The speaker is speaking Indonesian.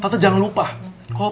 tante jangan lupa tante jangan lupa